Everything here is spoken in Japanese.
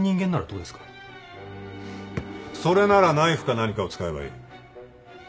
それならナイフか何かを使えばいい